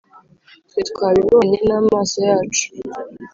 twe twabibonye n’amaso yacu